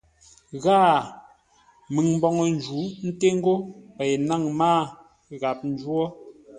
Ghâa, məŋ mboŋə jǔ ńté ńgó pei náŋ mâa gháp jwô.